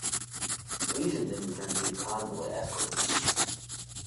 "Legion" then returned to convoy escort duties.